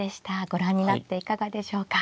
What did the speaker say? ご覧になっていかがでしょうか。